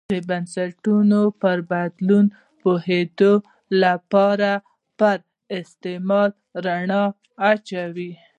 د بنسټونو پر بدلون پوهېدو لپاره پر استعمار رڼا اچوو.